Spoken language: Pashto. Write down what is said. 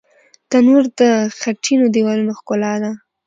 تنور د خټینو دیوالونو ښکلا ده